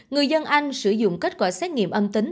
người dân anh sử dụng kết quả xét nghiệm âm tính